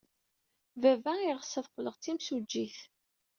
Baba yeɣs ad qqleɣ d timsujjit.